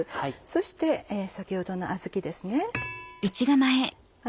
そして先ほどのあずきですね。